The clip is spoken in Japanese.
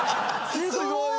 すごい！